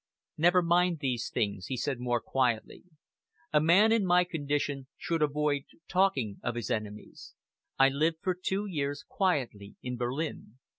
"Never mind these things," he said more quietly. "A man in my condition should avoid talking of his enemies. I lived for two years quietly in Berlin.